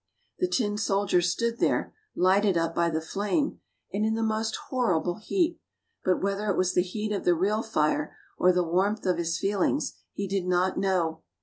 The tin soldier stood there, lighted up by the flame, and in the most horrible heat; but whether it was the heat of the real fire, or the warmth of his feelings, he did not know.